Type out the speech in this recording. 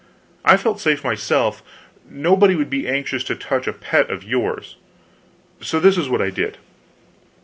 I felt safe myself nobody would be anxious to touch a pet of yours. So this is what I did.